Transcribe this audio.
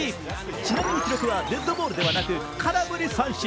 ちなみに記録はデッドボールではなく空振り三振。